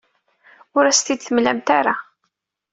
Ur as-ten-id-temlamt ara.